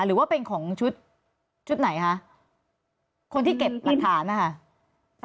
หรือว่าเป็นของชุดชุดไหนคะคนที่เก็บหลักฐานนะคะ